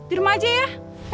di rumah aja ya